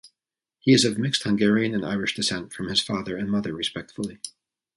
He is of mixed Hungarian and Irish descent from his father and mother respectively.